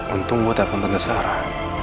untung gua telepon tante sarah